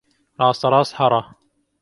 Rasterast here.